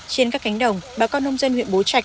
trên các cánh đồng bà con nông dân huyện bố trạch